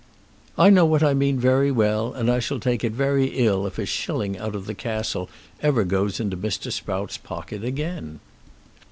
"I know what I mean very well; and I shall take it very ill if a shilling out of the Castle ever goes into Mr. Sprout's pocket again."